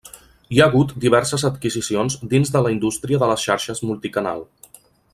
Hi ha hagut diverses adquisicions dins de la indústria de les xarxes multicanal.